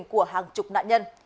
của hàng chục nạn nhân